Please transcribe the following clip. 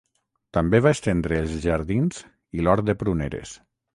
També va estendre els jardins i l'hort de pruneres.